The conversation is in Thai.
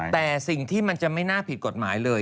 แต่สิ่งที่มันจะไม่น่าผิดกฎหมายเลย